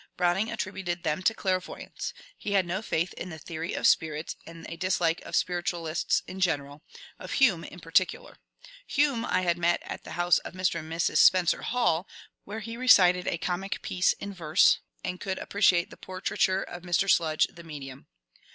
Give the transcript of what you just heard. Browning attributed them to '« clairvoyance ;" he had no faith in the theory of spirits, and a dislike of spiritualists in general, of Hume in particular. Hume I had met at the house of Mr. and Mrs. Spencer Hall, — where he recited a comic piece in verse, — and could ap preciate the portraiture of ^^ Mr. Sludge, the Medium."